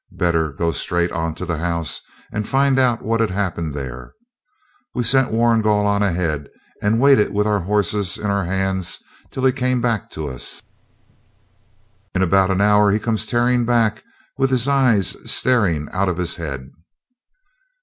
Better go straight on to the house and find out what had happened there. We sent Warrigal on ahead, and waited with our horses in our hands till he come back to us. In about an hour he comes tearing back, with his eyes staring out of his head.